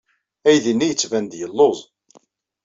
Aydi-nni yettban-d yelluẓ.